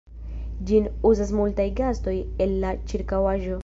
Ĝin uzas multaj gastoj el la ĉirkaŭaĵo.